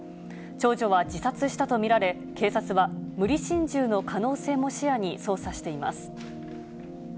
長女は自殺したと見られ、警察は無理心中の可能性も視野に、捜査しています。